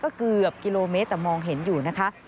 ก็เกือบกิโลเมตรแต่มองเห็นอยู่นะคะ